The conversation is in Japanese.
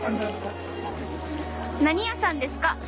何屋さんですか？